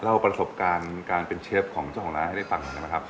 เล่าประสบการณ์การเป็นเชฟของเจ้าของร้านให้ได้ฟังหน่อยได้ไหมครับ